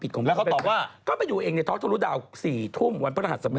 ท็อกทูลดาว๔ทุ่มวันพฤหัสมณี